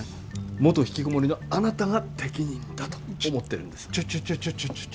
元・引きこもりのあなたが適任だと思ってるんです。